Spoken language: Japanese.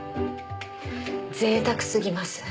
贅沢すぎます。